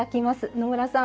野村さん